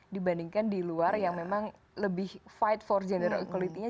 dibandingkan di luar yang memang lebih fight for general equality nya